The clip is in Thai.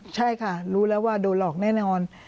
ใช่ค่ะรู้แล้วว่าโดนหลอกแน่นอน